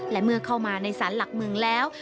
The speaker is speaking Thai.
และเมื่อเข้ามาในสารหลักเมืองแล้ว